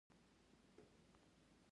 د کندهار پوهنتون په کندهار کې دی